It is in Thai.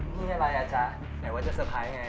นี่อะไรอ่ะจ๊ะไหนว่าจะเตอร์ไพรส์ไง